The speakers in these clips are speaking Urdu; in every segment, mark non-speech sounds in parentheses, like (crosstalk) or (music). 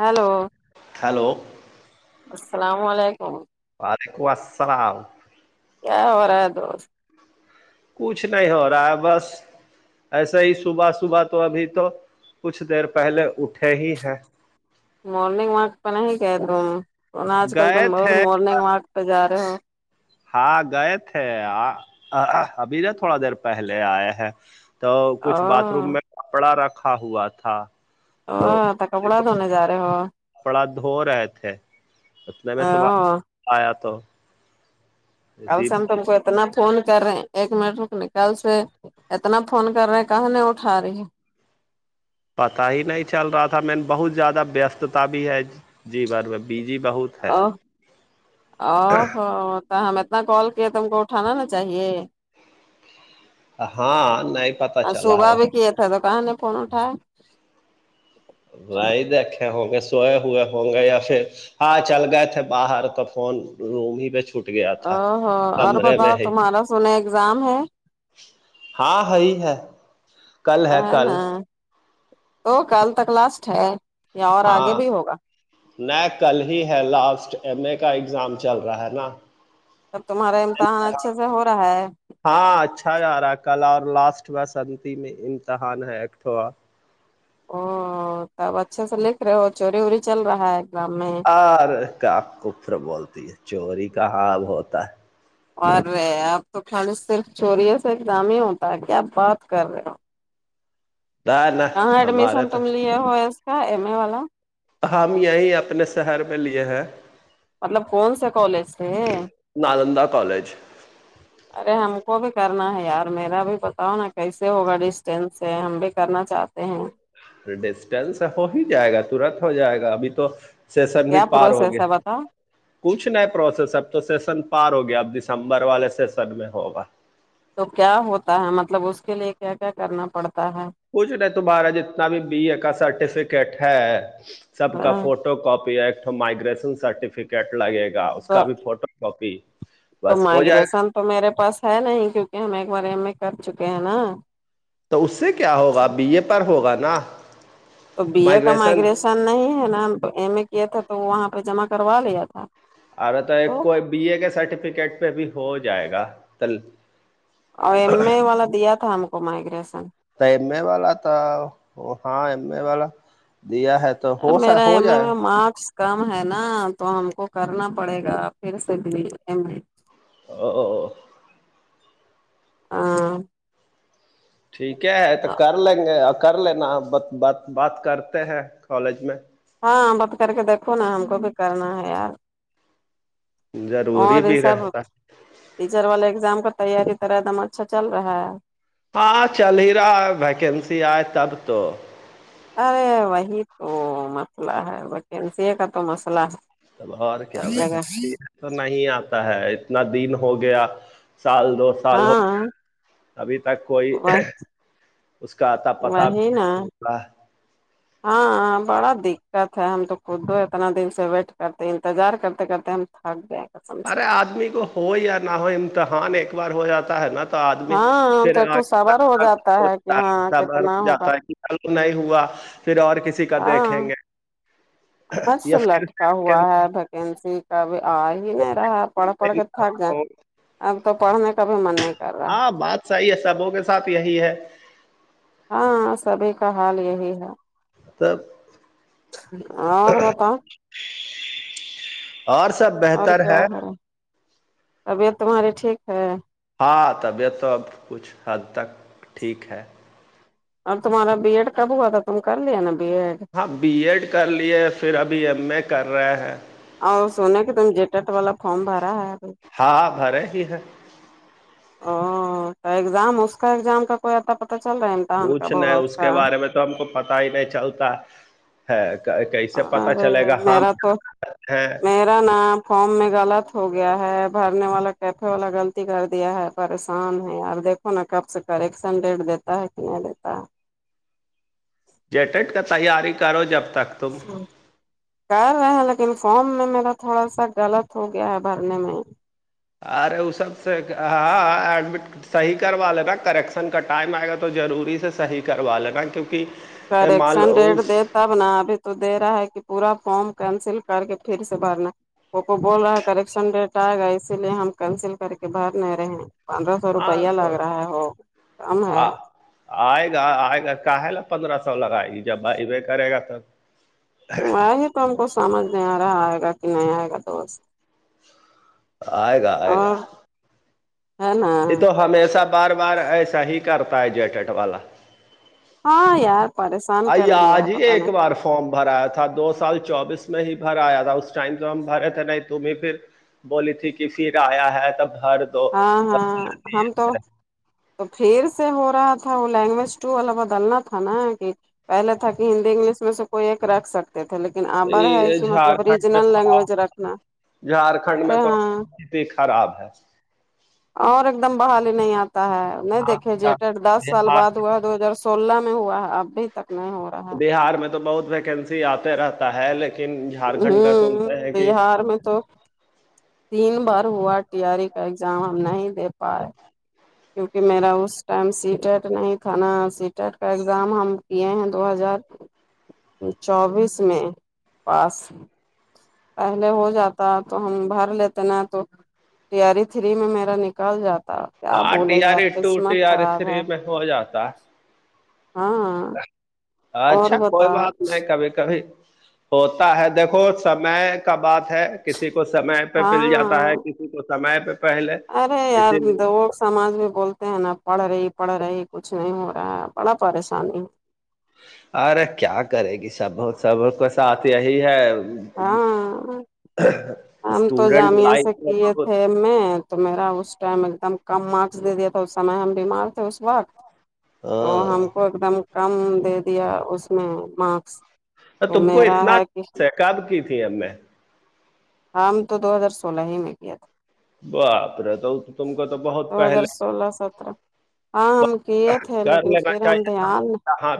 ہیلو ہلو السلام علیکم وعلیکم السلام وارہ دو کچھ نہیں ہو رہا ہے بس ایسے ہی صبح صبح تو ابھی تو کچھ دیر پہلے اٹھے ہی ہے مارننگ واک پہ نہیں کہ تم آج کل گئے تم بہت تھے مارننگ واک پہ جا رہے ہو ہاں گئے تھے ابھی ن تھوڑا دیر پہلے آئے ہیں تو کچھ باتھ او روم میں کپڑا رکھا ہوا تھا او تو ت کپڑا دونے جا رہے ہو کپڑا دھو رہے تھے اتنے میں تمہار او آیا تو اسی کلسن ت اتنا فون کر رہے ایک منٹ رک نکال سے اتنا فون کر رہے کہنے اٹھا رہی ہے پتاہ ہی نہیں چل رہا تھا مین بہت زیادہ وستتا بھی ہے جیون میں بیجی بہت ہے (unintelligible) تو ہم اتنا کال کیے تو ہم کو اٹھانا نا چاہیے ہاں نہیں پتا اور چلا صبح ہو بھی کیے تھا تو کہاں نے (unintelligible) بائی دیکھے ہوں گے سوئے ہوئے ہوں گے یا پھر ہاں چل گئے تھے باہر تو فون روم ہی پہ چھوٹ گیا تھا او ہ اور کمرے میں بتاؤ ہی تمہارا سنا ایگزام ہے ہاں ہےی ہے کل ہے کل تو کل تک لاسٹ ہے یا اور آگے بھی ہوگا ن کل ہی ہے لاسٹ ایم اے کا ایگزام چل رہا ہے نا تب تمہارا امتحان اچھے سے ہو رہا ہے ہاں اچھا جا رہا ہے کل اور لاسٹ بسنتی میں امتحان ہےٹھوا او تب اچھے سے لکھ رہے ہو چوری ووری چل رہا ہے گام میں آر کا کفر بولتی ہے چوری کا ہاب ہوتا ہے اوررے آپ تو کالی صرف چوریے سے ایک دام ہی ہوتا کیاپ بات کر رہے ہو نہ نہ کہاں ایڈمیشن ہمارے تو تم لیے ہو اس کا ایم ا والا ہم یہیں اپنے شہر میں لیے ہیں مطلب کون سے کالج تھے نالندہ کالج ارے ہم کو بھی کرنا ہے یار میرا بھی پتاؤ نا کیسے ہوگا ڈسٹینس سے ہم بھی کرنا چاہتے ہیں ڈسٹینس ہو ہی جائے گا ترت ہو جائے گا ابھی تو سیشن بھی کیا پار ہو پروسیس گیا ہے بتاؤ کچھ نئے پروسیس اب تو سیشن پار ہو گیا اب دسمبر والے سیشن میں ہوگا تو کیا ہوتا ہے مطلب اس کے لیے کیا کیا کرنا پڑتا ہے پوچھ نہیں تمہارا جتنا بھی بی اے کا سرٹیفکیٹ ہے سب کا ہاں photo photo copy act migration certificate لگے گا اس کا تو بھی فوٹو کاپی تو بس ہو جائے گا مائگریسن تو میرے پاس ہے نہیں کیونکہ ہم ایک بار ای میں کر چکے ہیں نا تو اس سے کیا ہوگا بی اے پر ہوگا نا تو بی اے کا مائگریشن نہیں ہے نا ایم اے کیا تھا تو وہ وہاں پہ جمع کروا لیا تھا ارے تو کوئی بی اے کے سرٹیفکیٹ پہ بھی ہو جائے گا تل اور ایم اے والا دیا تھا ہم کو مائگریشن ایم ا والا تو ہاں ایم ا والا دیا ہے تو سر ہو سا میرا ہو ایم اے جائے میں مارکس کم ہے نا تو ہم کو کرنا پڑے گا پھر سے بھی (unintelligible) (inaudible) ٹھیک ہے تو کر لیں گے اور کر لینا ب ب بات کرتے ہیں کالج میں ہاں بت کر کے دیکو نا ہم کو بھی کرنا ہے یار ضروری اور یہ بھی سب رہتا ٹیچر والا اگزام کا تیاری ترا ایک دم اچھا چل رہا ہے ہاں چل ہییرا ویکنسی آئے تب تو ارے وہی تو مسئلہ ہے ویکینسی کا تو مسئلہ ہے تب اورار کیا بھائی گ ہے نہیں آتا ہے اتنا دن ہو گیا سال دو سال ہو ہاں گیا ابھی تک کوئی وہ اس کا اتا پتاہ بھی وہی نا نہیں ہوا ہے (inaudible) ہاں بڑا دقت ہے ہم تو خود اتنا دن سے ویٹ کرتے انتظار کرتے کرتے ہم ہ ب (unintelligible) ارے آدمی کو ہو یا نہ ہو امتحان ایک بار ہو جاتا ہے نا تو آدمی ہاں پھر تو ایکٹو آج صبر ہو جاتا ہے کہ ہاں کتنا ہوگا جاتا ہے ل نہیں ہوا پھر اور کسی کا دیکھیں گے بس یا پھر لٹکا سے ہوا کیسی ہے ویکینسی کاب آ ہی نہیں رہا ہے پڑھ پڑھ سے کے تھک امتحان جائ ہو اب تو پڑھنے کا بھی من نہیں کر رہا ہاں بات صحیح ہے سبھ کے ساتھ یہی ہے ہاں سبھی کا حال یہی ہے تو اور بتاؤ اور سب اور بہتر کیا ہے ہو رہا طبیعت تمہاری ٹھیک ہے ہاں طبیعت تو اب کچھ حد تک ٹھیک ہے اور تمہارا بی ایڈ کب ہوا تھا تم کر لیا نا بی ایڈ ہاں بی ایڈ کر لیے پھر ابھی ایم اے کر رہے ہیں اور سونے کہ تم جی ٹیٹ والا فارم بھرا ہے ابھی ہاں بھرے ہی ہے او ایگزام اس کا ایگزام کا کوئی اتا پتا چل رہا ہے امتان کچھ کاب نہیں ہوگا اس کا کے بارے میں تو ہم کو پتا ہی نہیں چلتا ہے کیسے پتاہ ارے چلے گا ہم میرا تو ہیں میرا نام فارم میں غلط ہو گیا ہے بھرنے والا کیفے والا غلطی کر دیا ہے پریشان ہے یار دیکھو نا کب سے کریکشن ریٹ دیتا ہے کہ نہیں دیتا ہے جیٹٹ کا تیاری کرو جب تک تم کر رہے ہیں لیکن فارم میں میرا تھوڑا سا غلط ہو گیا ہے بھرنے میں ارے وہ سب سے ہاں ایڈمٹ صحیح کروا لینا کریکشن کا ٹائم آئے گا تو ضروری سے صحیح کروا لینا کیونکہ مال کریکشن ڈیٹ د اس تب ن ابھی تو دے رہا ہے کہ پورا فارم کینسل کر کے پھر سے بھرنا وہ کو بول رہا ہے کریکشن ڈیٹ آئے گا اسی لیے ہم کینسل کر کے بھر نہیں رہے ہیں پندرہ سو ہاں روپیہ لگ تو رہا ہے ہو کم ہے آ- آئے گا آئے گا کہ ل پندرہ سو لگائے گی جب بھائی ب کرے گا تب ا وہی تو ہم کو سمجھ نہیں آ رہا آئے گا کہ نہیں آئے گا تو بس آئے گا آئے گا اور ہے نا یہ تو ہمیشہ بار بار ایسا ہی کرتا ہے جیکٹ والا ہاں یار پریشان کر آئی دیا آج ہے ہی پت ایک نہیں بار فارم بھرایا تھا دو سال چوبیس میں ہی بھرایا تھا اس ٹائم جو ہم بھرے تھے نہیں تمیں پھر بولی تھی کہ پھر آیا ہے تب ہر دو ہاں ہاں ہمم تو تو پھر سے ہو رہا تھا وہ لینگویج توٹو ال بدلنا تھا نا کہ پہلے تھا کہ ہندی انگلش میں سے کوئی ایک رکھ سکتے تھے لیکن لیکن آبر ہے یہ کہ مطلب جھارکھنڈ میں ریجنل تو لینگویج رکھنا ارے ہ یہ خراب ہے اور ایک دم بحالی نہیں آتی تا ہے نہیں دیکے ج ڈ دس سال بہار بعد ہوا ہے دو ہزار سولہ میں ہوا ہے ابھی تک نہیں ہو رہا ہے بہار میں تو بہت ویکنسی آتے رہتا ہے لیکن جھارکھنڈ کا سنتے ہیں کہ گ میں تو تین بار ہوا ٹی آاری کا ایگزام ہم نہیں دے پا رہے کیوںکہ میرا اس ٹائم سی ٹیٹ نہیں تھا نا سی ٹیٹ کا ایگزام ہم کیے ہیں دو ہزار چوبیس میں پاس پہلے ہو جاتا تو ہم بھر لیتے نا تو تیاری تھری میں میرا نکال جاتا کیا ہاں بولے ٹی آر یار ای ٹو قسمت ٹی آر ای خراب ہے تھری میں ہو جاتا ہے ہاں اور اچھا کوئی بتاؤ بات نہیں کبھی کبھی ہوتا ہے دیکھو سمے کا بات ہے کسی کو سمے پہ پل جاتا ہے ہاں تو سمے پہ پہلے ارے ار اسی لیے سماج میں بولتے ہیں نا پڑھ رہی پڑھ رہی کچھ نہیں ہو رہا ہے بڑا پریشانی ارے کیا کرے گی سب سب کو ساتھ یہی ہے ہاں ہم تو اسٹوڈنٹ جامع سے لائف میں کیے بہت تھے میں تو میرا اس ٹائم ایک دم کم مارکس دے دیا تھا اس سمے ہم بیمار تھے اس وقت تو ہم کو ہاں ایک دم کم دے دیا اس میں مارکس تو میرا ہے کہ کب کی تھی اب میں ہم تو دو ہزار سولہ ہی میں کیا تھا باپ رے تو تم کو تو بہت دو ہزار پہلے سولہ سترہ ہاں ہم کیے تھے کر لیکن لینا پھر ہم چاہیے دھیان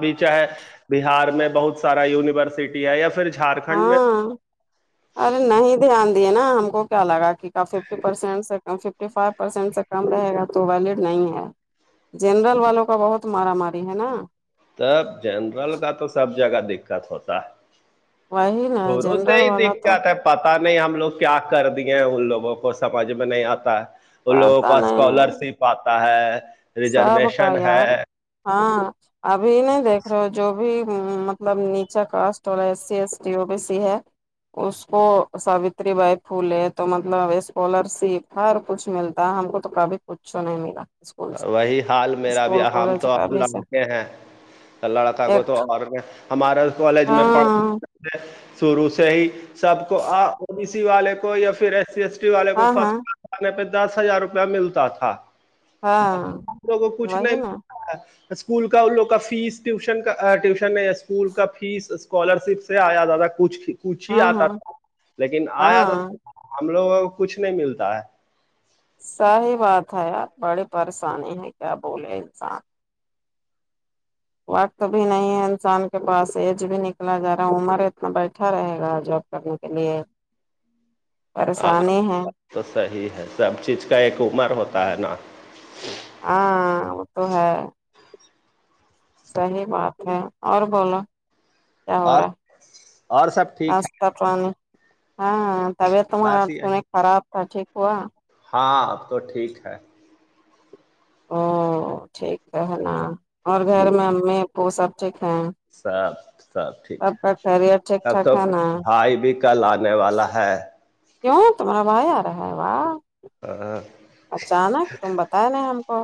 بھی چاہ ہے بہار میں بہت سارا یونیورسٹی ہے یا پھر جھارکھنڈ میں ہاں ارے نہیں دھیان دے نا ہم کو کیا لگا کہ کا ففٹی پرسینٹ سے فف فو پرسینٹ سے کم رہے گا تو ویلڈ نہیں ہے جنرل والوں کا بہت مارا ماری ہے نا تب جنرل کا تو سب جگہ دقت ہوتا ہے وہی نا تھورو سےا جنرل ہی والا دیکھ کے تو آتا ہے پتا نہیں ہم لوگ کیا کر دیے ہیں ان لوگوں کو سمجھ میں نہیں آتا ہے ان لوگوں کو پتا اسکالر نہیں شپ آتا ہے سب کا ریزرویشن ہے یار ہاں ابھی نہیں دیکھ رہے جو بھی مطلب نیچا کاسٹ والا S C S T O B C ہے اس کو ساوتری بائی پھولے تو مطلب اسکالر شپ ہر کچھ ملتا ہم کو تو کبھی کچھ نہیں ملا اسکول سے وہی حال میرا بھی اسکول ہم کالج تو کا بھی سے لڑکے ہیں لڑکا کو تو ایکٹ اور ہمارا کالج میں پڑھ ہاں شروع سے ہی سب کو او بیی سی والے کو یا پھر ایس سی ایس والے کو ہاں ہاں فصل کھانے پہ دس ہزار روپیہ ملتا تھا ہاں ہم لوگ کو کچھ وہی نہیں نا ملتا ہے اسکول کا ان لوگ کا فیس ٹیوشن کا ٹیوشن ہے اسکول کا فیس اسکالر شپ سے آیا دادا کچھ کچھ ہی ہاں آتا ہاں تھا لیکن آیا ہاں ہم لوگوں کو کچھ نہیں ملتا ہے سی بات ہے یار بڑی پریشانی ہے کیا بولے انسان وقت بھی نہیں ہے انسان کے پاس ایج بھی نکلا جا رہا ہے عمر اتنا بیٹھا رہے گا جب کرنے کے لیے ہاں پریشانی ہیں تو صحیح ہے سب چیز کا ایک عمر ہوتا ہے نا ہاں وہ تو ہے صحی بات ہے اور بولو کیا ہو اور رہا اور سب ٹھیک ہے ہاں طبیعت تمہارا بس یہی خراب تھا ٹھیک ہوا ہاں اب تو ٹھیک ہے او ٹھیک ہے ہے نا اور گھر میں امی پو سب ٹھیک ہیں سب سب ٹھیک کا خیریت ٹھیک ہے اب تو ٹھاک ہے نا بھائی بھی کل آنے والا ہے کیوں تمارا بھائی رہا ہے وا ہاں اچانک تم بتایا نہیں ہم کو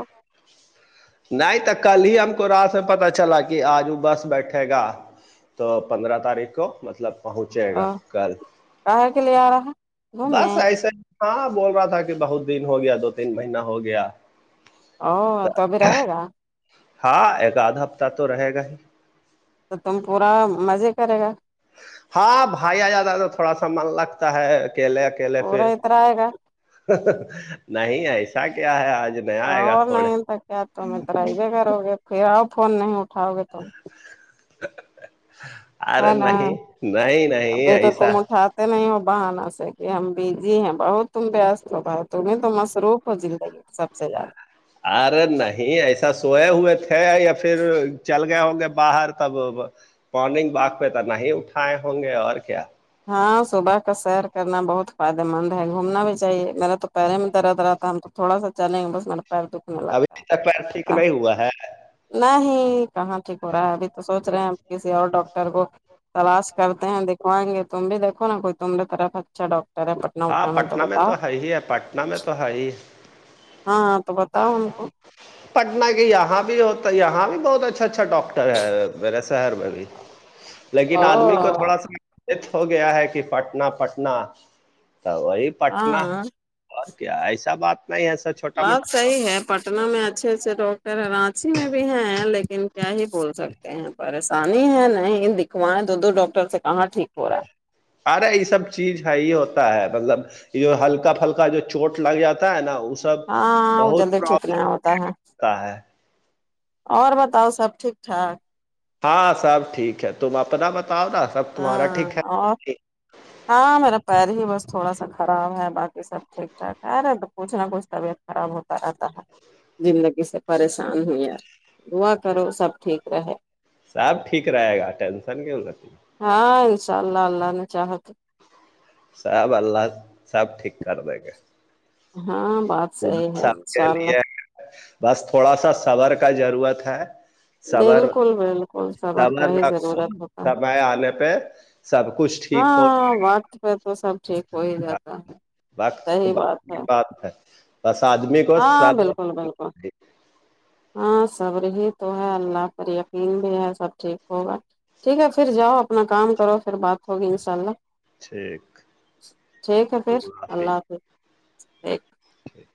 نہیں تو کل ہی ہم کو رات میں پتا چلا کہ آج وہ بس بیٹھے گا تو پندرہ تاریخ کو مطلب پہنچے گا کل کاہے کے لیے آ رہا ہے بس گھومنے ایسا ہی ہاں بول رہا تھا کہ بہت دن ہو گیا دو تین مہینہ ہو گیا او توبھی رہے گا ہاں ایک آدھا ہفتہ تو رہے گا ہی تو تم پورا مزے کرے گا ہاں بھائییا جیاادہ تھوڑا سا من لگتا ہے اکیلے اکیلے پھر پورا اترا آئے گا نہیں ایسا کیا ہے آج نیا آئے گا اور تھوڑے نہیں تو کیا تم اتر ہی بھی کرو گے پھر آؤ فون نہیں اٹھاؤ گے تم ارے ہے نا نہیں نہیں نہیں ابھی تو ایسا تم اٹھاتے نہیں ہو بہانہ سے کہ ہم بزی ہیں بہت تم بیست ہو باؤ تمہیں تو مصروف ہو زندگی سب سے زیادہ ارے نہیں ایسا سوئے ہوئے تھے یا پھر چل گئے ہوں گے باہر تب مارننگ واک پہ تو نہیں اٹھائے ہوں گے اور کیا ہاں صبح کا سیر کرنا بہت فائدے مند ہے گھومنا بھی چاہیے میرا تو پہیرے میں درد رہتا ہم تو تھوڑا سا چلیں گے بس پیر دکھنے ابھی لگتا تک پیر ٹھیک ہے نہیں ہوا ہے نہیں کہاں ٹھیک ہو رہا ہے ابھی تو سوچھ رہے ہیں کسی اور ڈاکٹر کو تلاش کرتے ہیں دکھوائیں گے تم بھی دیکو نا کوئی تماری طرف چھو ہاں پٹنہ میں تو ہے ہی ہے پٹنہ میں تو ہے ہی ہاں ہاں تو بتاؤ ان کو پٹن کے یہاں بھی ہوتا ہے یہاں بھی بہت اچھا اچھا ڈاکٹر مے شہر میں بھی لیکن آدمی کو او تھوڑا سا ہو گیا ہے کہ پٹنہ پٹنہ تو وہی پٹنہ ہاں اور کیا ایسا بات نہیں ہے سا چھوٹا بات موٹا صحیح ہے پٹنہ میں اچھے اچھے ڈاکٹر ہیں رانچی میں بھی ہیں لیکن کیا ہی بول سکتے پریشانی ہے نہیں دکھوائیں دو دو ڈاکٹر سے کہاں ٹھیک ہو رہا ہے ارے یہ سب چیز ہے ہی ہوتا ہے مطلب جو ہلکا پھلکا جو چوٹ لگ جاتا ہے نا اس ہاں وہ جلدی ٹھیک نہیں ہوتا ہے ہوتا ہے اور بتاؤ سب ٹھیک ٹھاک ہاں سب ٹھیک ہے تم اپنا بتاؤ نا ہاں ج (inaudible) ہاں میرا پیر ہی بس تھوڑا سا خراب ہے بقی سب ٹھیک ٹھاک ہےرے کچھ نہ کچھ طبیعت آرام ہوتا رہتا ہے زنداگی ج سے پریشان ہو ہے دعا کرو سب ٹھیک رہے سب ٹھیک رہے گا ٹینشن کیوں ہو سی ہاں انشاء اللہ اللہ نے چاہا کے سب اللہ سب ٹھیک کر دے گے ہاں بات صحیح ہے سب کے انشاء لیے اللہ بس تھوڑا سا سبر کا ضرورت ہے صبر بالکل بالکل سبر کا صبر ہی رکھو ضرورت ہوتا سمے آنے پہ سب کچھ ٹھیک ہو جائے ہاں وقت پہ تو سب ٹھیک ہو ہی گا، جاتا ہے وقت صحیح ب ہے بات ہے بس آدمی کو ہاں بالکل صبر بالکل ہاں سب رہی تو ہے اللہ پر یقین بھی ہے سب ٹھیک ہوگا ٹھیک ہے پھر جاؤ اپنا کام کرو پھر بات ہوگی ان شاء اللہ ٹھیک ٹھیک ہے پھر اللہ حافظ ٹیھک